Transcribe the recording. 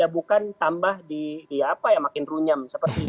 bukan tambah di makin runyam